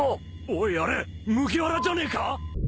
おいあれ麦わらじゃねえか！？